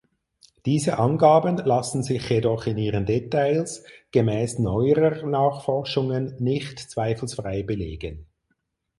Diese Angaben lassen sich jedoch in ihren Details gemäß neuerer Nachforschungen nicht zweifelsfrei belegen.